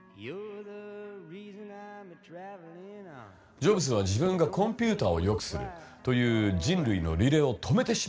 ジョブズは自分がコンピューターをよくするという人類のリレーを止めてしまったと感じてしまったんですね。